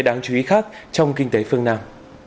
đáng chú ý khác trong kinh tế phương nam